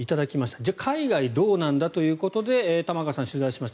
じゃあ、海外はどうなんだということで玉川さん、取材しました。